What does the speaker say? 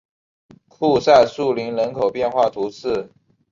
库赛树林人口变化图示